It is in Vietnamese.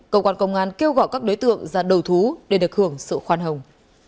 cơ quan công an kêu gọi các đối tượng ra đầu thú để được hưởng sự khoan hồng